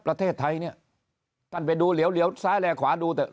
ประเทศไทยเนี่ยท่านไปดูเหลียวซ้ายแลขวาดูเถอ